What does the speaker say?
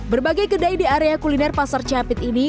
berbagai kedai di area kuliner pasar cihapit ini